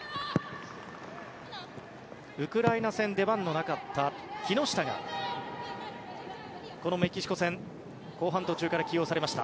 ウクライナ戦出番のなかった木下がこのメキシコ戦後半の途中から起用されました。